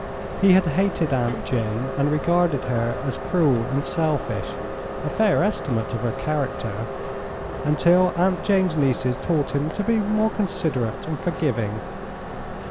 He had hated Aunt Jane, and regarded her as cruel and selfish a fair estimate of her character until Aunt Jane's nieces taught him to be more considerate and forgiving.